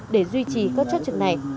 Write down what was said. để duy trì các chốt trực này